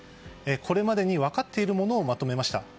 これまでに分かっているものをまとめました。